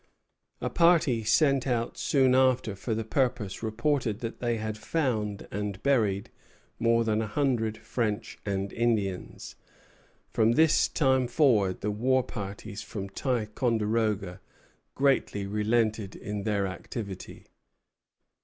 A party sent out soon after for the purpose reported that they had found and buried more than a hundred French and Indians. From this time forward the war parties from Ticonderoga greatly relented in their activity.